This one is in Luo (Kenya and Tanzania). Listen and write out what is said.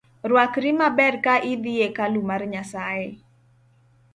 Rwakri maber ka idhii e kalu mar Nyasae